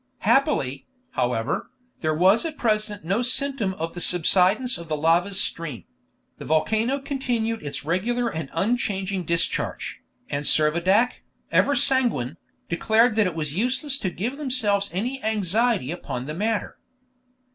Happily, however, there was at present no symptom of the subsidence of the lava's stream; the volcano continued its regular and unchanging discharge, and Servadac, ever sanguine, declared that it was useless to give themselves any anxiety upon the matter.